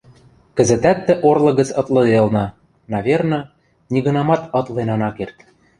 кӹзӹтӓт тӹ орлык гӹц ытлыделна, наверно, нигынамат ытлен ана керд.